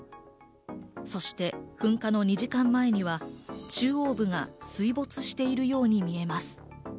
そして噴火の２時間前には中央部が水没しているように見えます。